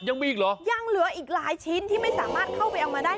ยังมีอีกเหรอยังเหลืออีกหลายชิ้นที่ไม่สามารถเข้าไปเอามาได้